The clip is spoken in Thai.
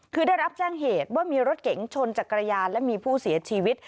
คือได้รับแจ้งเหตุว่ามีรถเก๋งชนจักรยานและมีผู้เสียชีวิต